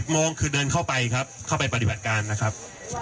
โมงคือเดินเข้าไปครับเข้าไปปฏิบัติการนะครับ